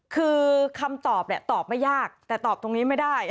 คือคำตอบเนี่ยตอบไม่ยากแต่ตอบตรงนี้ไม่ได้